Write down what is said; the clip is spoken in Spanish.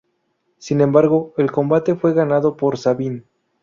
Sin embargo, el combate fue ganado por Sabin.